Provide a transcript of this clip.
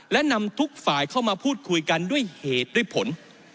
และนำทุกฝ่ายเข้ามาพูดคุยกันด้วยเหตุด้วยผล